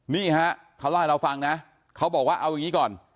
นี่ฮะเขาเล่าให้เราฟังนะเขาบอกว่าเอาอย่างนี้ก่อน